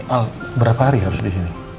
al berapa hari harus disini